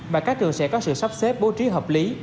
mà các trường sẽ có sự sắp xếp bố trí hợp lý